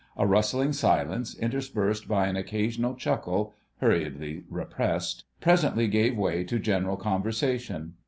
A rustling silence, interspersed by an occasional chuckle (hurriedly repressed), presently gave way to general conversation.